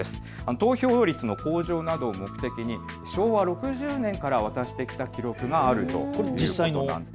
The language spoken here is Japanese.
投票率の向上などを目的に昭和６０年から渡してきた記録があるそうです。